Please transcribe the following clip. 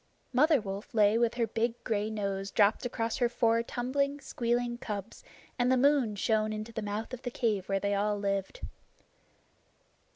Mother Wolf lay with her big gray nose dropped across her four tumbling, squealing cubs, and the moon shone into the mouth of the cave where they all lived.